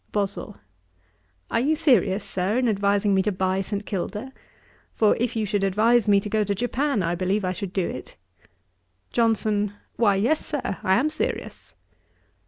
BOSWELL. 'Are you serious, Sir, in advising me to buy St. Kilda? for if you should advise me to go to Japan, I believe I should do it.' JOHNSON. 'Why yes, Sir, I am serious.'